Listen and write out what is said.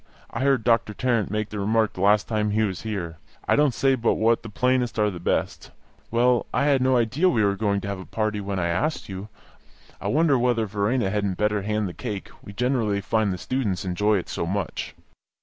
I heard Doctor Tarrant make the remark the last time he was here. I don't say but what the plainest are the best. Well, I had no idea we were going to have a party when I asked you. I wonder whether Verena hadn't better hand the cake; we generally find the students enjoy it so much."